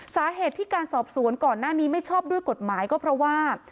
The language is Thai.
สาเหตุที่การสอบสวนก่อนหน้านี้ไม่ชอบด้วยกฎหมายก็เพราะว่า